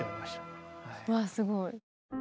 うわすごい。